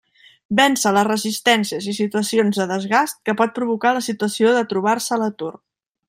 Vèncer les resistències i situacions de desgast que pot provocar la situació de trobar-se a l'atur.